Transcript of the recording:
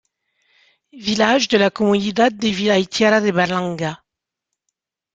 Village de la Comunidad de Villa y Tierra de Berlanga.